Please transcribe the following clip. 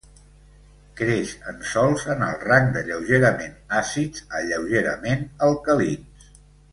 Creix en sòls en el rang de lleugerament àcids a lleugerament alcalins.